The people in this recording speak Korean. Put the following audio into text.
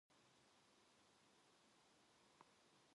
그렇게까지 어리석은 춘우는 아직 세상에 나지를 않았다고 말 하여 주게.